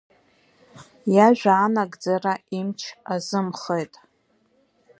Иажәа анагӡара имч азымхеит.